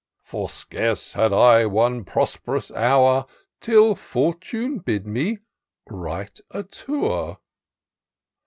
For scarce had I one prosp'rous hour Till Fortune bid me Write a Tour.